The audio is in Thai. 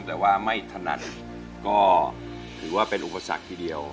แต่ว่าไม่ถนัดก็ถือว่าเป็นอุปสรรคทีเดียว